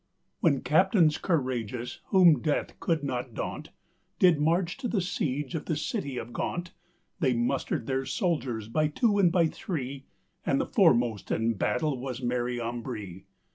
WHEN captaines couragious, whom death cold not daunte, Did march to the siege of the citty of Gaunt, They mustred their souldiers by two and by three, And the formost in battle was Mary Ambree.